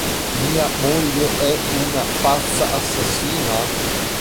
Mia moglie è una pazza assassina?